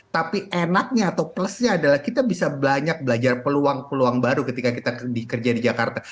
tapi enaknya atau plusnya adalah kita bisa banyak belajar peluang peluang baru ketika kita kerja di jakarta